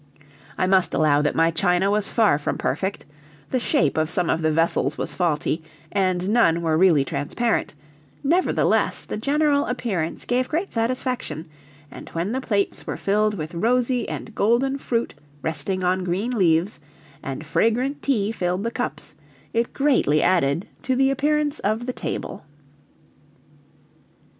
I must allow that my china was far from perfect; the shape of some of the vessels was faulty, and none were really transparent; nevertheless, the general appearance gave great satisfaction, and when the plates were filled with rosy and golden fruit resting on green leaves, and fragrant tea filled the cups, it greatly added to the appearance of the table.